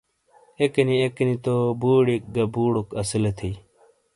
اکینی اکینی تو بھوڑیک گہ بھوڑوک اسیلے تئھی